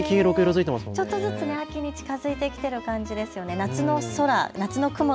ちょっとずつ秋に近づいてきている感じですね。